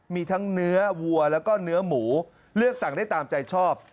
มีทั้งเนื้อวัวแล้วก็เนื้อหมูเลือกสั่งได้ตามใจชอบ